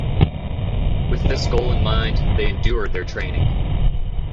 With this goal in mind, they endure their training.